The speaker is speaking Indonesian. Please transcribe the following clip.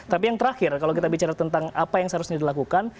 tapi yang terakhir kalau kita bicara tentang apa yang seharusnya dilakukan